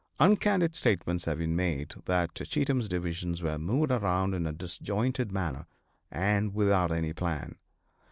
Uncandid statements have been made that Cheatham's divisions were moved around in a disjointed manner and without any plan.